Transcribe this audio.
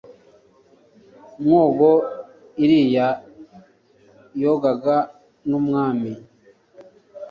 mwogo iriya yogoga n'umwami